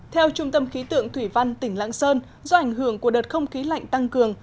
theo trung tâm khí tượng thủy văn tỉnh lạng sơn do ảnh hưởng của đợt không khí lạnh tăng cường